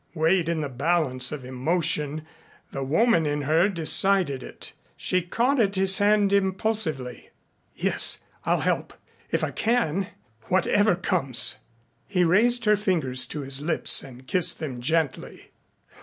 Weighed in the balance of emotion the woman in her decided it. She caught at his hand impulsively. "Yes, I'll help if I can whatever comes." He raised her fingers to his lips and kissed them gently.